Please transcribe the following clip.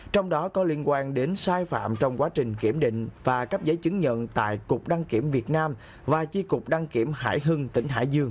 trong đó có liên quan đến sai phạm trong quá trình kiểm định và cấp giấy chứng nhận tại cục đăng kiểm việt nam và chi cục đăng kiểm hải hưng tỉnh hải dương